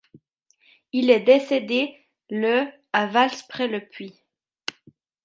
Il est décédé le à Vals-près-le-Puy.